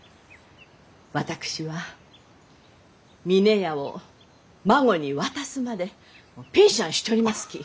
私は峰屋を孫に渡すまでピンシャンしちょりますき。